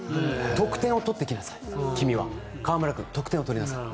得点を取ってきなさい、君は河村君、得点を取りなさい。